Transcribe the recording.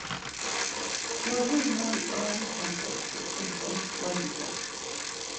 Lazuri na ip̌aramitams ǩoçepe Lazi t̆es.